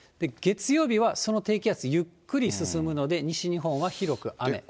月曜日はその低気圧、ゆっくり進むので、西日本は広く雨。